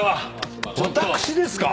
私ですか⁉